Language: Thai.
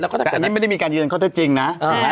แต่อันนี้ไม่ได้มีการยืนยันข้อเท็จจริงนะ